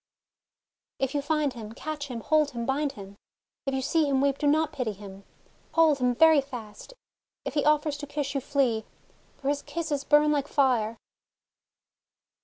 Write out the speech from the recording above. "If you find him, catch him, hold him, bind him! If you see him weep, do not pity him, hold 62 THE WONDER GARDEN him very fast! If he offers to kiss you, flee, for his kisses burn like fire!